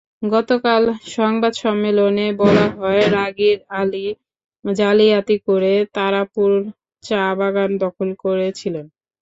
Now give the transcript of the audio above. গতকাল সংবাদ সম্মেলনে বলা হয়, রাগীব আলী জালিয়াতি করে তারাপুর চা-বাগান দখল করেছিলেন।